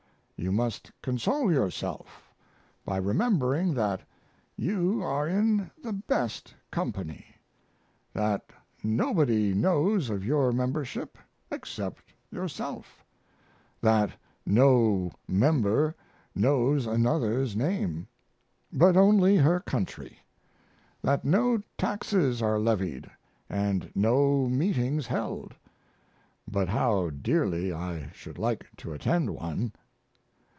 You must console yourself by remembering that you are in the best company; that nobody knows of your membership except yourself; that no member knows another's name, but only her country; that no taxes are levied and no meetings held (but how dearly I should like to attend one!).